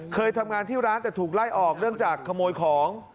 เคยทำงานที่ร้านแต่ถูกไล่ออกเนื่องจากขโมยของ